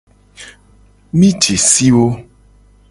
Mi je si wo.